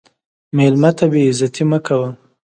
مېلمه ته بې عزتي مه کوه.